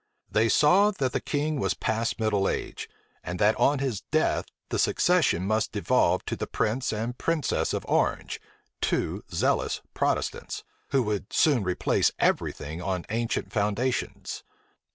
They saw, that the king was past middle age; and that on his death the succession must devolve to the prince and princess of Orange, two zealous Protestants, who would soon replace every thing on ancient foundations.